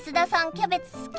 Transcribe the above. キャベツ好き？